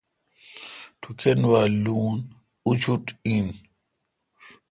ٹوکان وا لون اوشٹ این۔